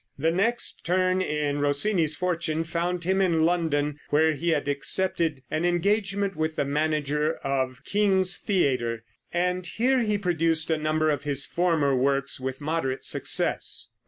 The next turn in Rossini's fortune found him in London, where he had accepted an engagement with the manager of King's Theater, and here he produced a number of his former works with moderate success.